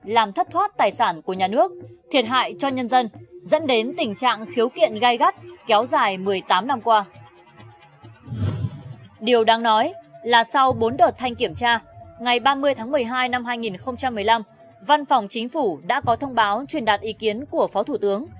điều đáng nói là sau bốn đợt thanh kiểm tra ngày ba mươi tháng một mươi hai năm hai nghìn một mươi năm văn phòng chính phủ đã có thông báo truyền đạt ý kiến của phó thủ tướng